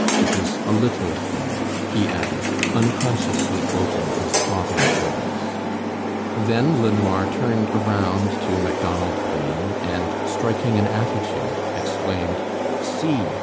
It is a little thing," he added, unconsciously quoting his father's words. Then LeNoir turned around to Macdonald Bhain, and striking an attitude, exclaimed: "See!